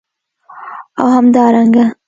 او همدارنګه